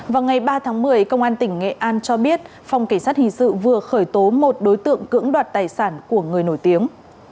vào ngày ba tháng một mươi công an tỉnh nghệ an cho biết phòng kỳ sát hình sự vừa khởi tố một đối tượng cưỡng đoạt tài sản của người nổi tiếng